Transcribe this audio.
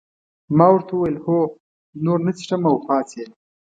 ما ورته وویل هو نور نه څښم او پاڅېد.